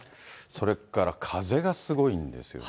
それから風がすごいんですよね。